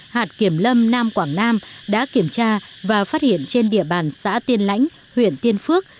hạt kiểm lâm nam quảng nam đã kiểm tra và phát hiện trên địa bàn xã tiên lãnh huyện tiên phước